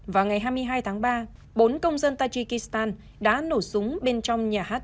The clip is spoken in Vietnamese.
vào ngày hai mươi hai tháng ba bốn công dân tajikistan đã nổ súng bên trong nhà hát